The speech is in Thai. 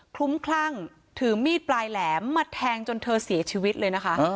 ลุ้มคลั่งถือมีดปลายแหลมมาแทงจนเธอเสียชีวิตเลยนะคะ